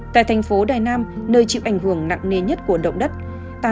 tại thành phố đài nam nơi chịu ảnh hưởng nặng nề nhất của động đất